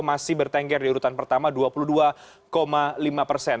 masih bertengger di urutan pertama dua puluh dua lima persen